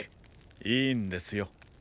いいんですよ。